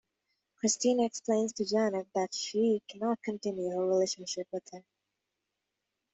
Kristina explains to Janek that she cannot continue her relationship with him.